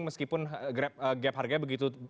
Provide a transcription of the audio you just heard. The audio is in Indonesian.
meskipun gap harganya begitu